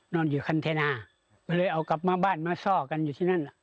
อยู่คันเทนาก็เลยเอากลับมาบ้านมาซ่อกันอยู่ที่นั่น